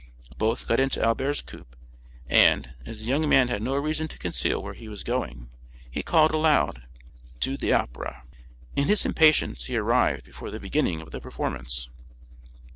Both got into Albert's coupé; and, as the young man had no reason to conceal where he was going, he called aloud, "To the Opera." In his impatience he arrived before the beginning of the performance.